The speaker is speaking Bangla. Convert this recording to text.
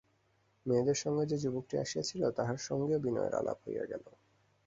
মেয়েদের সঙ্গে যে যুবকটি আসিয়াছিল তাহার সঙ্গেও বিনয়ের আলাপ হইয়া গেল।